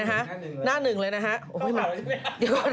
หน้า๑เลยนะครับ